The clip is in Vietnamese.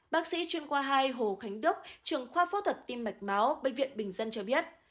bác sĩ chuyên khoa hai hồ khánh đức trường khoa phẫu thuật tim mạch máu bệnh viện bình dân cho biết